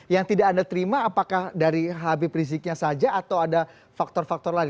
yang tidak anda terima apakah dari habib riziknya saja atau ada faktor faktor lain